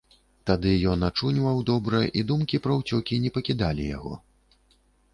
Тады ён ачуньваў добра, і думкі пра ўцёкі не пакідалі яго.